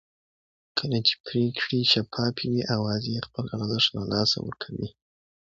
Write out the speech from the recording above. کله چې پرېکړې شفافې وي اوازې خپل ارزښت له لاسه ورکوي